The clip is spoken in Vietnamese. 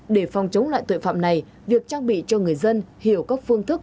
để phòng chống loại tội phạm này việc trang bị cho người dân hiểu các phương thức